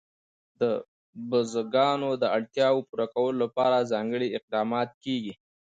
د بزګانو د اړتیاوو پوره کولو لپاره ځانګړي اقدامات کېږي.